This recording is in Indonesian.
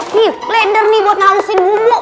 nih blender nih buat ngalusin bumbu